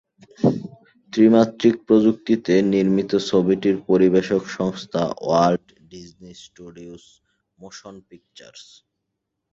ত্রিমাত্রিক প্রযুক্তিতে নির্মিত ছবিটির পরিবেশক সংস্থা Walt Disney Studios Motion pictures.